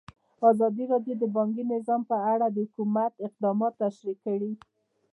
ازادي راډیو د بانکي نظام په اړه د حکومت اقدامات تشریح کړي.